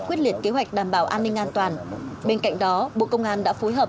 quyết liệt kế hoạch đảm bảo an ninh an toàn bên cạnh đó bộ công an đã phối hợp